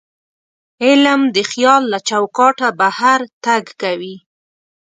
علم د خیال له چوکاټه بهر تګ کوي.